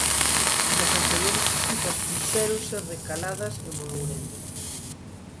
Nas anteriores visitas fixéronse recaladas en Mourente.